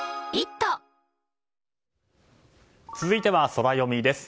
続いてはソラよみです。